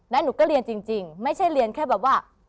แล้วหนูก็เรียนจริงไม่ใช่เรียนแค่แบบว่า